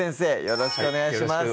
よろしくお願いします